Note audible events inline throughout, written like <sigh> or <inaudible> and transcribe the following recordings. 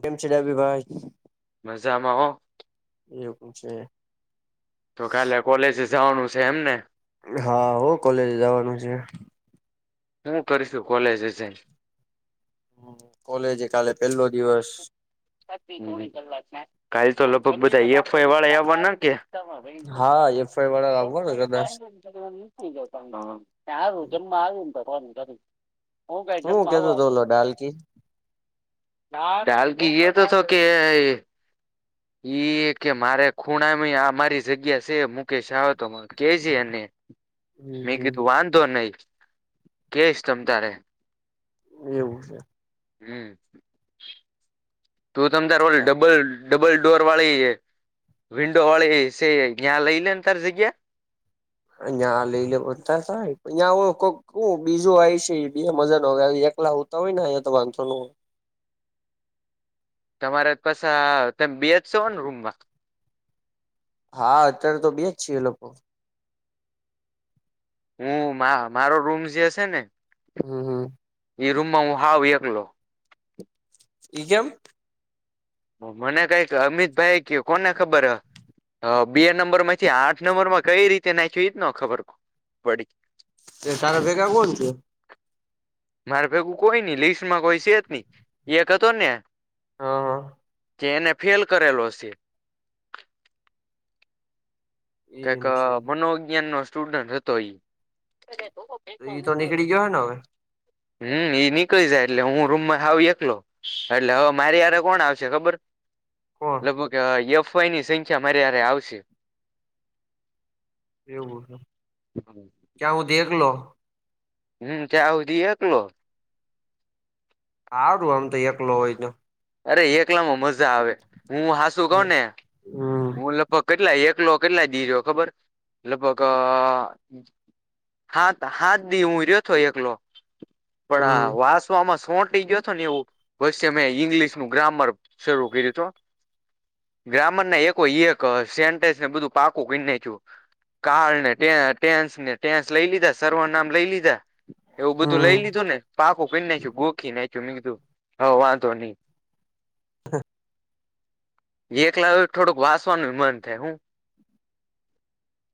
કેમ છે ડાભી ભાઈ. મજામાં હો. એવું છે. તો કાલે કોલેજે જવાનું છે એમને? હા હો કોલેજ જવાનું છે. હું કરીશું કોલેજે જઈન? કોલેજે કાલે પેલો દિવસ. કાલ તો લગભગ બધા એફ વાય વાળા એ આવવાના ને કે? <unintelligible> હા એફ આઈ વાળા આવવાને કદાચ હું નીકળી ગયો ત્યાંથી હારુ જમવા આવાનું તું ત ઓ કે હું જમા કેતો તો આવાનું ઓલો ડાલકી ડાલકીયે એ થતો કે <unintelligible> કે મારે ખૂણામાં મારી જગ્યા છે મુકેશ આવે તો કે જે એને હમ મેં હમ. કીધું વાંધો નહી. કયસ તમ‌ તારે. એવું છે. હમ્મ તું તમ તારે ડબલ ડબલ ડોર વાળી વિિડોવાળી એસી હે ત્યાં લઈ લેન તાર જગ્યા. ં લઈ લે બતા થં કોક બીજું આવી છે બ મજા ન <unintelligible> એકલા આવતા હોય ને અયા તો. તમારે પાછા તમે બેચ સો ને રૂમમાં. હા અત્યારે તો બે જ છી લોકો હું મારો રૂમ જે હશે ને હમ્મ હમ્મ એઈ રૂમમાં હું હાવ એકલો. એ ચમ. મને કઈક અમિતભાઈ ક કોને ખબર હ હ બે નંબર માંથી આઠ નંબર માં કઈ રીતે નાખવી એજ ના ખબર પડી. તે તારા ભેગા કોણ છે? મારે ભેગું કોઈ નઈ લિસ્ટમાં કોઈ છે જ નહી એક હતો ને હ. કે એને ફેલ કરેલો સે. કક એમ છે મનોવિજ્ઞાન નો સ્ટુડન્ટ હતો એ. ઈ તો નીકળી ગયો હોય ને હવે? હમ્મ એ નીકળી જાય એટલે હું રૂમમાં‌ હાવ એકલો એટલે હવે મારી ભારે કોણ આવશે ખબર કોણ લગભગ કે એફઆઈ ની સંખ્યા મારે હારે આવશે. એવું છે. હા <inaudible> ક્યાં હું ત એકલો‌. હમ ત્યાં હુધી એકલો. હારુ આમ તો એકલો હોય તો. અરે એકલા માં મજા આવે હું હાસુ કઉ ને હમ હું લગભગ કેટલા એક એકલો કેટલા દી રહ્યો ખબર લગભગ અ હાત હાત દી રહ્યો તો એકલો હમ પણ વાસવામાં. ફોટી ગયોો ને એવું પ મેમે ઈંગ્લિશ નું ગ્રામર શરૂ કર્યું તું. ગ્રામર ના એક એક સેન્ટ્સ ને બધું પાકું કરી નાખ્યું. કાળ ને ટેન્સ ને ટેન્સ લઈ લીધા સર્વ નામ લઈ લીધા. એવું બધું હમ લઈ લીધું ને પાકુ કરનાઈખયુ ગોખી નાખ્યું. જમીલીધું હ વાધો નહી. હા. એકલા થોડુંક વાચવાનુંય મન થાય હું.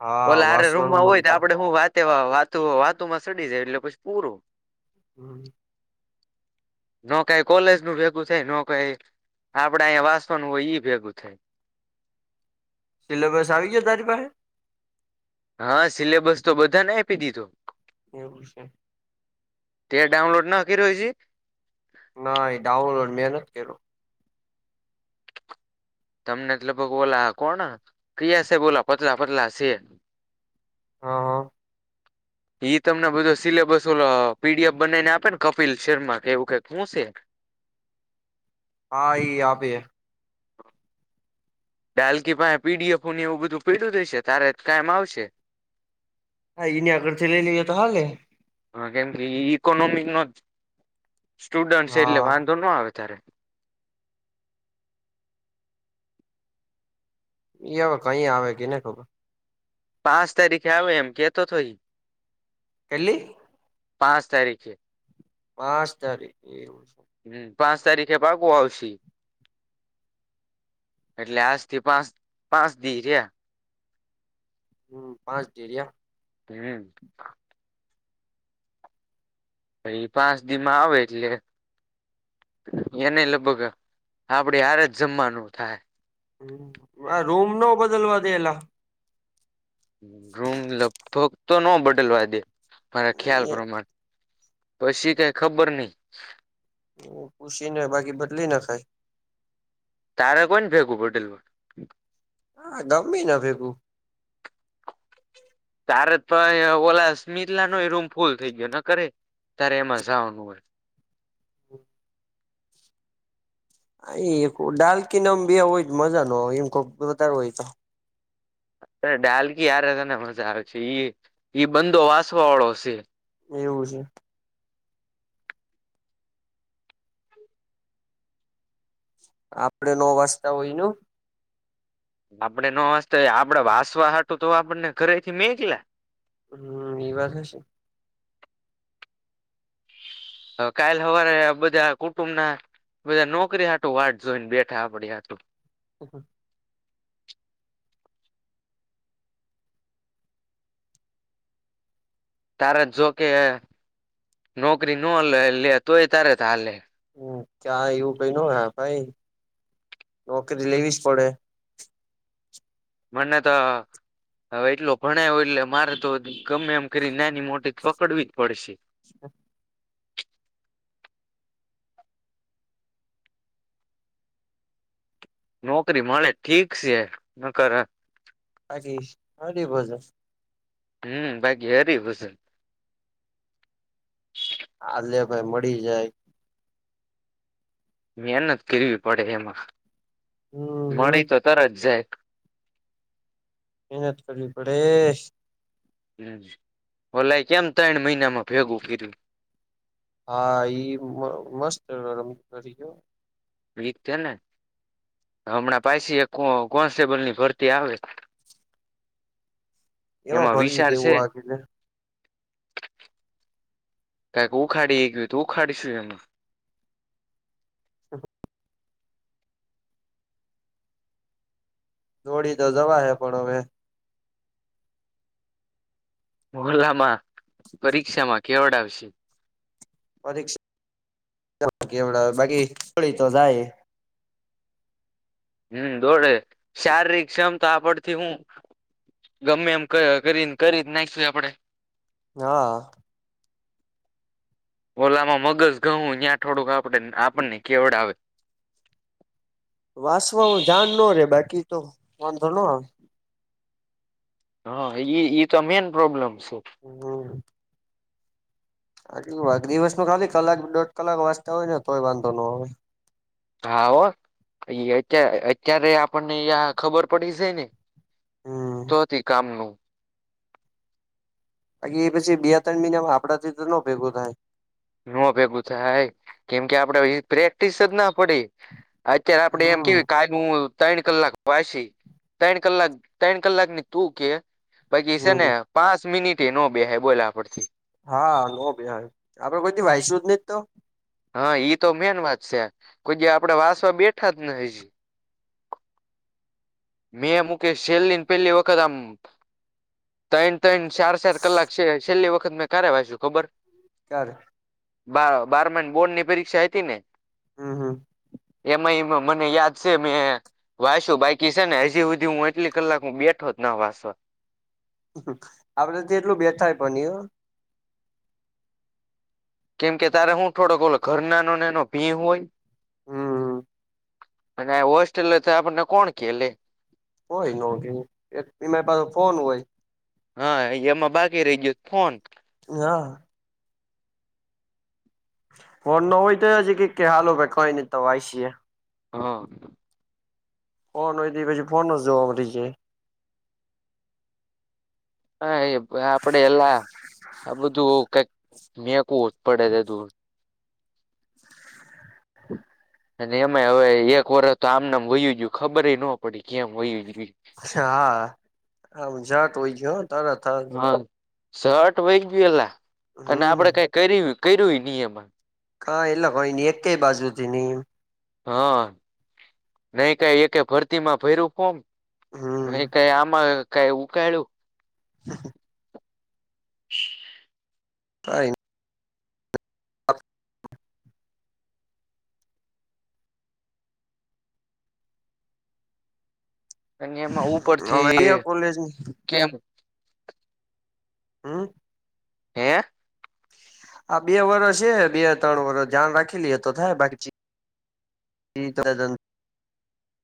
હા ઓલે હારે વાસવાનું રૂમમાં મન હોય તો થાય આપડે હું વાત. વાતું વાતુમાં સડી જાય, એટલે પછી પૂરું. હમ્મ. ન કઈ કોલેજ નું ભેગું થાય, ન કંઈ આપડા અહીંયા વાંચવાનું હોય, ઈ ભેગું થાય. સિલેબસ આવી ગયું તારી પાહે? હા, સિલેબસ તો બધાને આપી દીધો. એવું છે. તે ડાઉનલોડ ન કરીયો હજી. ના ડાઉનલોડ મેહેનત કરો. તમને લગભગ ઓલા કોણ ક્રિયા છે, બોલો? પતલા પતલા છે. હા હા. ઈ તમને બધો સિલેબસ ઓ પીડીએફ બનાવી ને આપે ને? કપિલ શર્મા કે એવું કંઈક શું છે? હા, ઈ આવે. બાલ્કી પાસે પીડીએફની એવું બધું પડું રઈશે, તારે જ કામ આવશે. હા, એને આગળથી લઈ લેએ તો હાલે. હ, કેમ કે ઈકોનોમિક નો સ્ટુડન્ટ છે. એટલે હા વાંધો ના આવે તારે. હવે કહીં આવે કે, ને ખબર? પાંચ તારીખે આવે એમ કેતો ઈ. કર્લી. પાંચ તારીખે. પાંચ તારીખ એવું. હમ, પાંચ તારીખે પાકુ આવશે. એટલે આજ થી પાંચ-પાંચ દિવસ રહ્યા. હમ, પાંચ દિવસ રહ્યા. હમ. હી પાંચ દિવસ મા આવે એટલે. એને લગભગ આપડી હારે જ જમવાનું થાય. આ રૂમ ન બદલવા દેલા. રૂમ લગભગ તો ન બદલવા દે મારા ખ્યાલ પ્રમાણે. પછી કંઈ ખબર નઈ. પુછીને બાકી બદલી નખાય. તારે કોઈ ભેગવું બડલ. હા, ગમે ના ભેગું. તારે તો ઓલા સ્મિતલા નો એ રૂમ ફૂલ થઈ ગયો ન કરે. ત્યારે એમાં જા આવનું હોય. હ <unintelligible> ડાલ્લ કી નામ બે હોય, જ મજા ન હો. એમ કો વધારે હોય તો. અ ડાલકી આરે તને મજા આવે છે. ઈ બંધો વાચવા વાળો છે. એવું છે. આપડે નો વાચતા હોયનું. આપણેે વાસ્તા આપડે વાસવાહાટું તો આપણને ઘરેથી નીકળ્યા. હમ, એ વાત હશે. હ, કાલ હવારે બધા કુટુંબ ના. બધા નોકરી હાટું વાટ જોઈને બેઠા આપડી હાટે. હ હ <unintelligible> તારે જોકે નોકરી ન લે લે તોય તારે હાલે. હમ, ક્યાં એવું કઈ ન હ ભાઈ, નોકરી લેવી જ પડે. મને તો હવે એટલો ભણાય એટલે મારે તો ગમે એમ કરી નાની-મોટી પકડવી જ પડશે. <unintelligible> નોકરી મળે ઠીક છે, નકર રાી અરે ભજન હમ બાકી હરી ભજન હલેે ભાઈ મળી જાય મહેનત કરવી પડે એમાં હમ હમ મળી તો તરત જાય મહેનત કરવી પડે હમ ઓલાય કેમ ત્રણ મહિનામાં ભેગું કર્યું હા મસ્તમ વીક છે. ને હમણાં પાછી એક કોન્સ્ટેબલ ની ભરતી આવે એમાં ભરવી વિચાર છે. દેવું આગેને કક ઉ ખાડી એ ગયું તું ખાડીશું એનું દોડી તો જવા હે પણ હવે મોલામાં પરીક્ષામાં કેવડ આવશે પરીક્ષા એવ બાકીળ તો જાય હમ દોડે શારીરિક ક્ષમતા આપડથી હું ગમે એમ કરી કરી જ નાખીશું આપડે હા ઓલામાં મગજ ઘઉ ત્યાં થોડુંક આપડ આપણને કેવડ આવે મંધ્ર ન <unintelligible> હા. ઈ તો મેન પ્રોબ્લેમ છે હમ આટલ વા દિવસ ન ખાલી કલાક દોઢ કલાક વાંચતા હોય ને તોય વાંધો ન હોવે હા હો અત અત્યારે આપણને ખબર પડી છે ને હમ તો હતી કામનું બાકી એ પછી બે ત્રણ મહિનામાં આપડા થી તો ન ભેગો થાય ન ભેગું થાય કેમ કે આપડે પ્રેક્ટિસ જ ના પડી અત્યારે આપડે એમ હમ કેવી કું ત્રણ કલાક પાછી ત્રણ કલાક ત્રણ કલાક ની તું કે બાકી છે ને હમ પાંચ મિનિટ એ ન બેાય બોલા આપડથી હા નો બહાર આપડે કોઈથી વાયસુ જ નહ તો હા ઈ તો મેન વાત છે કોઈ જે આપડે વાસવા બેઠા જ ને હજી મેં મુકેશ છેલ્લીને પેલી વખત આમ તૈણ તણ ચાર ચાર કલાક છે છેલ્લી વખત મેં કારે વાસુ ખબર કર બ બારમાની બોર્ડ ની પરીક્ષા હતી ને હમ હમ એમ એ મને યાદ છે મે વાસું બાઈક કી છે ને હજી સુધી હું એટલી કલાક બેઠો જ ના વાસો આપડે તો એટલું બેઠાય પણ કેમ કે તારે હું થોડોઓલો ઘર નાનો નાનો ભી હોય હમ અને હોસ્ટેલ તો આપણને કોણ કેલે કોય નહો એક એમારી પાસે ફોન હોય હા એમાં બાકી રહી ગયું ફોન હા ફોન હોય તોજ કે હાલ ભાઈ કઈ નઈ તો આય છ હા ફોન હોય ત પછી ફોન જોવામલી જાય હા એ આપડે એલા આ બધું કક મેવેક જ પડે છે દૂર <inaudible> અને એમે હવે એક વરષ તો આમનેમ વયુ ગયુ ખબર ન પડી કેમ વયુ હા આ જાટ હોય છે હો તરત. હા શર્ટ વહી ગયલા અને હમ આપડે કઈ કર કર્યું નિયમન. હા એટલે કોય નહ એકય બાજુથી નહી એમ. હા, નઈ કઈ એક ભરતી માં ફર્યું ફોર્મ? હ હમ કઈ આમાં કઈ ઉકાયળુ હ <inaudible> કાઈ અને એમાં હવે બે ઉપરથી કોલેજ કેમ. હમ્મ. હે? આ બે વર્ષ છે. બે ત્રણ વર્ષ ધ્યાન રાખી લઈએ તો થાય બાકી તી તો જમ,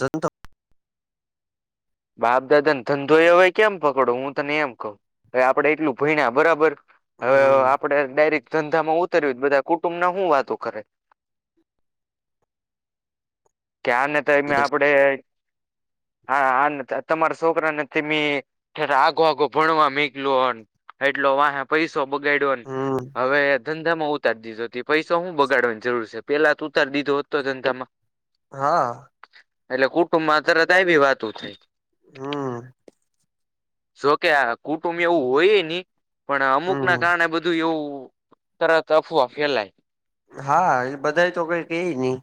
<unintelligible> બાપ દાદા ને ધંધો એ હોય કેમ પકડો હું તને એમ કઉ. હવે આપડે એટલું ભયણા બરાબર હવે આપડે ડાયરેક્ટ ધંધામાં ઉતર્યું બધા કુટુંબ ના હું શું વાતો કરે? <inaudible> ક્યાં ને તમે આપડે <inaudible> હા તમારા છોકરાને તમે જ આઘો આઘો ભણવા મેકલ્યો ન. એટલો વાહે પૈસો બગાડ્યોને હમ હવે ધંધા માં ઉતારી દીધો. પૈસાની હું બગાડવાની જરૂર છે. પેલા તો ઉતારી દીધો હતો ધંધામાં. હા એટલે કુટુંબમાં તરત આવી વી વાતો થાય. હમ્મ. જોકે આ કુટુંબ એવું હોય ની પણ અમુક ના હમ કારણે બધું એવું તરત અફવા ફેલાય. હા એ બધા તો કઈ કે નહી.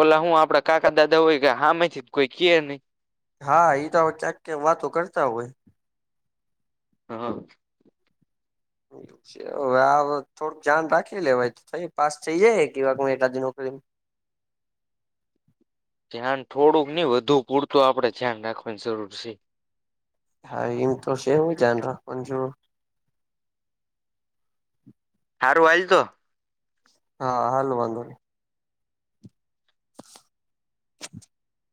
ઓલા હું આપડા કાકા દાદા હોય કે હામેથી કોઈ કે નહી. હા તો ચક કે વાતો કરતા હોય. હા. હવે આ થોડું ધ્યાન રાખી લેવાય તોય પાસ થઇ જાય કેવા એકાદી જ નોકરીમ. <inaudible> ધ્યાન થોડુંક નહ વધુ પૂરતું આપડે ધ્યાન રાખવાની જરૂર છે. હા એમ તો શેનુ ધ્યાન રાખવા ની જરુર. હારું હાલ તો. હા હાલ વાંધો નહી. <inaudible>